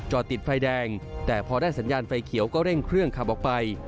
ติดไฟแดงแต่พอได้สัญญาณไฟเขียวก็เร่งเครื่องขับออกไป